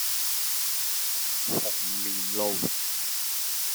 紅棉路